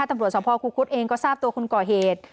ตำรวจสมภาพครูคุชเองก็ทราบตัวคุณก่อเหตุ